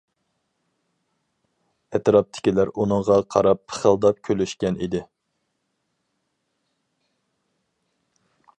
ئەتراپتىكىلەر ئۇنىڭغا قاراپ پىخىلداپ كۈلۈشكەن ئىدى.